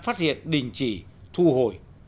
phát hiện đình chỉ thu hồi